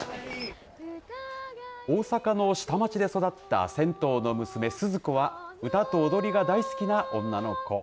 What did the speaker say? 大阪の下町で育った銭湯の娘、鈴子は歌と踊りが大好きな女の子。